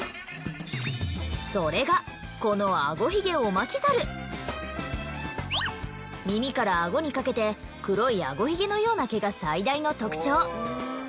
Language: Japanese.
それがこの耳から顎にかけて黒い顎髭のような毛が最大の特徴。